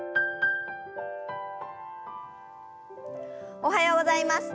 おはようございます。